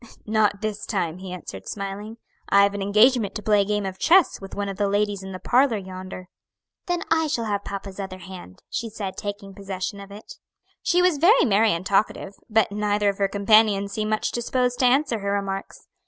"Not this time," he answered, smiling. "I have an engagement to play a game of chess with one of the ladies in the parlor yonder." "Then I shall have papa's other hand," she said, taking possession of it. She was very merry and talkative, but neither of her companions seemed much disposed to answer her remarks.